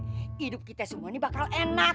hidup kita semua ini bakal enak